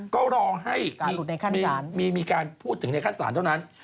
ก็รอให้มีการพูดถึงในขั้นศาลเท่านั้น